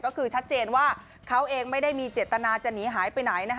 ก็คือชัดเจนว่าเขาเองไม่ได้มีเจตนาจะหนีหายไปไหนนะคะ